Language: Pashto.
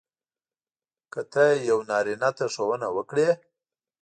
که ته یو نارینه ته ښوونه وکړې.